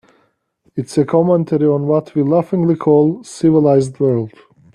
It's a commentary on what we laughingly call the civilized world.